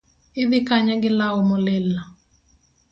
Idhi kanye gi law molil no